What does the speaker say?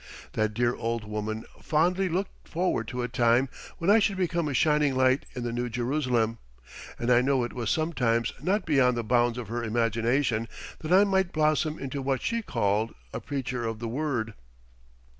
That dear old woman fondly looked forward to a time when I should become a shining light in the New Jerusalem, and I know it was sometimes not beyond the bounds of her imagination that I might blossom into what she called a "preacher of the Word."